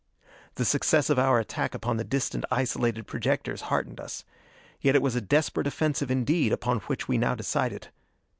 The success of our attack upon the distant isolated projectors heartened us. Yet it was a desperate offensive indeed upon which we now decided!